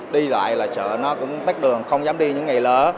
đi lại là sợ nó cũng tách đường không dám đi những ngày lỡ